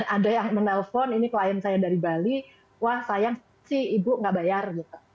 ada yang menelpon ini klien saya dari bali wah sayang sih ibu nggak bayar gitu